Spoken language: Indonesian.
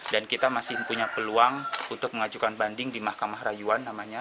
dan kita masih punya peluang untuk mengajukan banding di mahkamah rayuan namanya